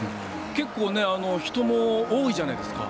結構人も多いじゃないですか。